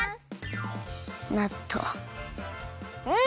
なっとう。